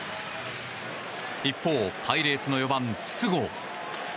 一方、パイレーツの４番、筒香。